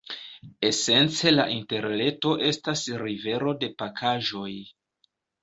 Esence la Interreto estas rivero de pakaĵoj.